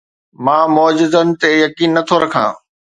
مان معجزن تي يقين نه ٿو رکان